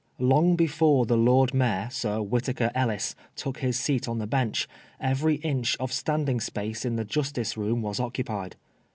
Long before the Lord Mayor, Sir Whittaker Ellis, took his seat on the Bench, every inch of standing space in the Justice Room was occupied.